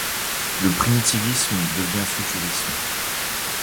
Le primitivisme devient futurisme.